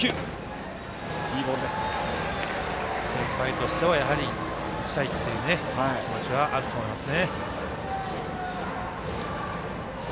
先輩としては打ちたいという気持ちはあると思います。